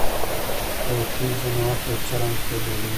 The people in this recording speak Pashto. چوکۍ ځینې وخت له چرم څخه جوړیږي.